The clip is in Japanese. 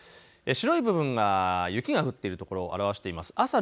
白い部分が雪が降っているところを表しています。